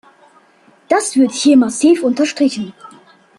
Das wird hier massiv unterstrichen.